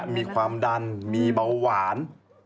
มีความดันมีเบาหวาน